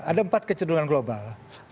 ada empat kecenderungan global